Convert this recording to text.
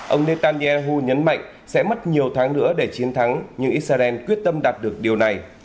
ông netanyahu nhấn mạnh sẽ mất nhiều tháng nữa để chiến thắng nhưng israel quyết tâm đạt được điều này